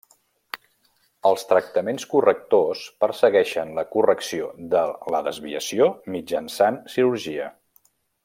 Els tractaments correctors persegueixen la correcció de la desviació mitjançant cirurgia.